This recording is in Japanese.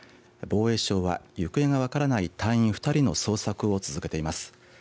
防衛省は、行方が分からない隊員２人の捜索を続けています。